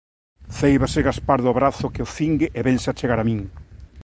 Céibase Gaspar do brazo que o cingue e vénse achegar a min.